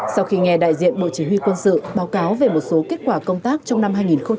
sau khi nghe đại diện bộ chỉ huy quân sự báo cáo về một số kết quả công tác trong năm hai nghìn một mươi chín